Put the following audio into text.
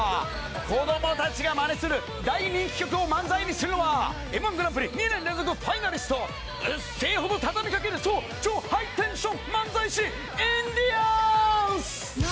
子どもたちがまねする、大人気曲をまんざいにするのはＭー１グランプリ２年連続ファイナリスト、うっせぇほど畳みかける、超ハイテンション漫才師、インディアンス。